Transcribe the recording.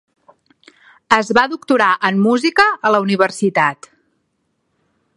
Es va doctorar en música a la universitat.